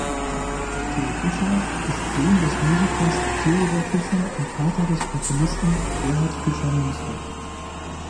Theo Fischer ist Sohn des Musikers Theodor Fischer und Vater des Komponisten Gerhard Fischer-Münster.